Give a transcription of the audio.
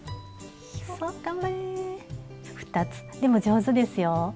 でも上手ですよ。